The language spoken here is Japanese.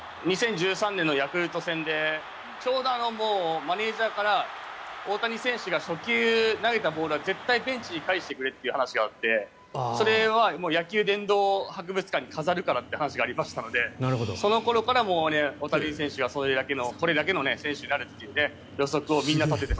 ヤクルト戦でちょうどマネジャーから大谷選手が初球投げたボールは絶対にベンチに返してくれという話があってそれは野球殿堂博物館に飾るって話がありましたのでその頃から大谷選手はこれだけの選手になるというすごいですね。